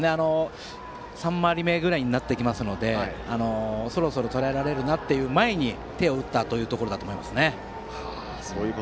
３回り目ぐらいになってきますのでそろそろとらえられるなという前に手を打ったというところだと思います。